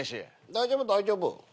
大丈夫大丈夫。